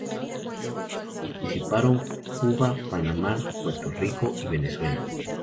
Participaron Cuba, Panamá, Puerto Rico y Venezuela.